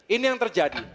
ini yang terjadi